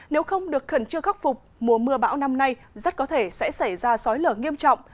nếu không được khẩn trương khắc phục mùa mưa bão năm nay rất có thể sẽ xảy ra sói lở nghiêm trọng